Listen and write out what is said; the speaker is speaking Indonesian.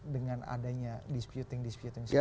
dengan adanya disputing disputing